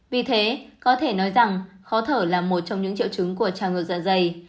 vì thế có thể nói rằng khó thở là một trong những triệu chứng của chàng ngược dạ dày